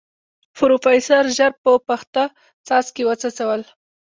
پروفيسر ژر په پخته څاڅکي وڅڅول.